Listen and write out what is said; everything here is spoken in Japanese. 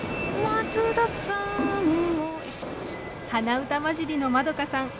鼻歌混じりのまどかさん